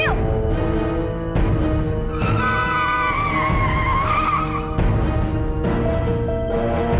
saya mau nyalet nih aku